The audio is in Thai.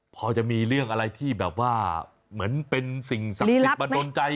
พอจะมีเรื่องอะไรที่แบบว่าเหมือนเป็นสิ่งศักดิ์สิทธิ์มาโดนใจ